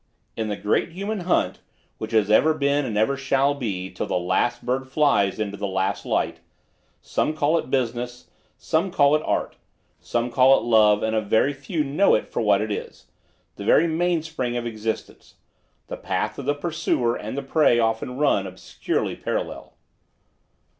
In the great human hunt which ever has been and ever shall be till "the last bird flies into the last light"—some call it business, some call it art, some call it love, and a very few know it for what it is, the very mainspring of existence—the path of the pursuer and the prey often run obscurely parallel.